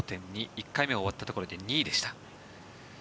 １回目が終わったところで２位でした。